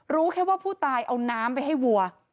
รู้แค่ว่าผู้ตายเอาน้ำไปให้วัว